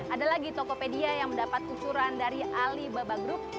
ada lagi tokopedia yang mendapat ukuran dari alibaba group